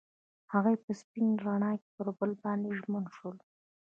هغوی په سپین رڼا کې پر بل باندې ژمن شول.